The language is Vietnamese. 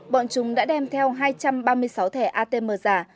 bọn chúng đã đem theo hai trăm ba mươi sáu thẻ atm giả